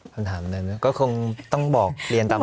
คำถามนั้นก็คงต้องบอกเรียนตาม